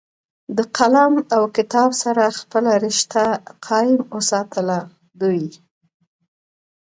د قلم او کتاب سره خپله رشته قائم اوساتله دوي